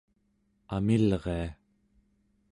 amilria